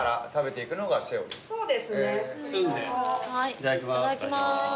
いただきます。